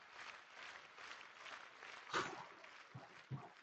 دیگر عبادت گاہوں میں بھی دعائیہ تقریبات کا اہتمام کیا گیا تھا